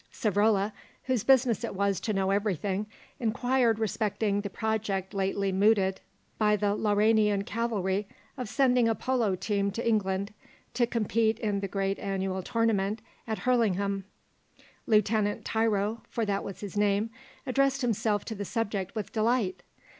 Savrola, whose business it was to know everything, inquired respecting the project lately mooted by the Lauranian Cavalry of sending a polo team to England to compete in the great annual tournament at Hurlingham. Lieutenant Tiro (for that was his name) addressed himself to the subject with delight.